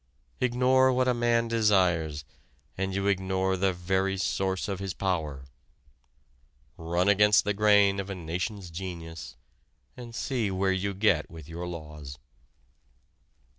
Ignore what a man desires and you ignore the very source of his power; run against the grain of a nation's genius and see where you get with your laws.